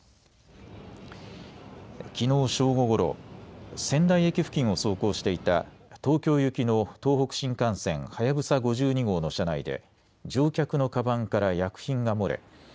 きのう正午ごろ、仙台駅付近を走行していた東京行きの東北新幹線はやぶさ５２号の車内で乗客のかばんから薬品が漏れ